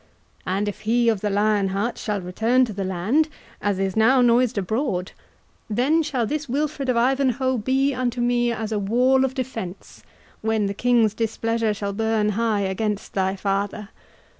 And if he of the Lion Heart shall return to the land, as is now noised abroad, then shall this Wilfred of Ivanhoe be unto me as a wall of defence, when the king's displeasure shall burn high against thy father.